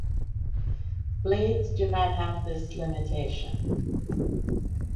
Blades do not have this limitation.